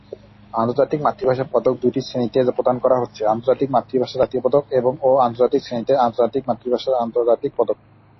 আন্তর্জাতিক মাতৃভাষা পদক দুইটি শ্রেনীতে প্রদান করা হচ্ছে- "আন্তর্জাতিক মাতৃভাষা জাতীয় পদক" এবং ও আন্তর্জাতিক শ্রেনীতে "আন্তর্জাতিক মাতৃভাষা আন্তর্জাতিক পদক"।